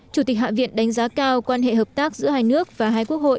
chủ tịch hạ viện đánh giá cao quan hệ hợp tác giữa hai nước và hai quốc hội